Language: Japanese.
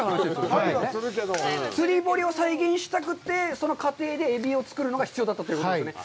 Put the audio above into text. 釣り堀を再現したくてその過程でエビを作るのが必要だったということですね。